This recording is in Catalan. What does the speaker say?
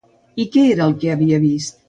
I què era el que havia vist?